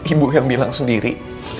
ibu yang bilang sendiri